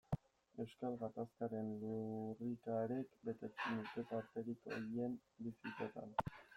Euskal Gatazkaren lurrikarek betetzen dute tarterik horien bizitzetan.